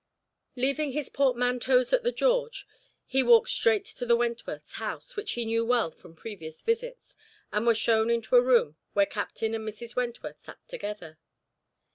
Leaving his portmanteaux at the "George," he walked straight to the Wentworths' house, which he knew well from previous visits, and was shown into a room where Captain and Mrs. Wentworth sat together.